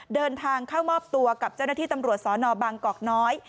เดินทางเข้ามอบตัวกับเจ้าหน้าที่ตำรวจสนบางกอกน้อย